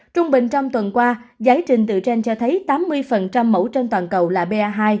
trung bình trong tuần qua giấy trình tự trên cho thấy tám mươi mẫu trên toàn cầu là ba hai